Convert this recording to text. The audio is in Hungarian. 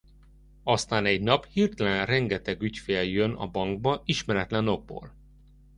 Aztán egy nap hirtelen rengeteg ügyfél jön a bankba ismeretlen okból.